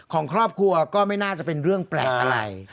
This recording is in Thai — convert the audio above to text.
ของครอบครัวก็ไม่น่าจะเป็นเรื่องแปลกอะไร